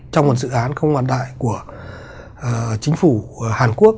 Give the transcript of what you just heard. trong một dự án không hoàn đại của chính phủ hàn quốc